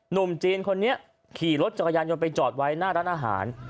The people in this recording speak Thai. หนุ่มจีนคนนี้ขี่รถจักรยานยนต์ไปจอดไว้หน้าร้านอาหาร